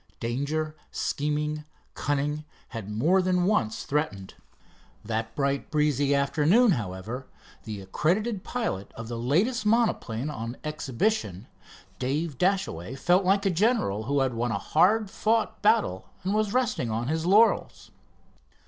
Danger, scheming, cunning had more than once threatened. That bright, breezy afternoon, however, the accredited pilot of the latest monoplane on exhibition, Dave Dashaway felt like a general who had won a hard fought battle and was resting on his laurels.